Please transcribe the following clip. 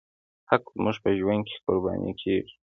حق زموږ په ژوند کې قرباني کېږي.